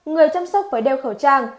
người chăm sóc phải đeo khẩu trang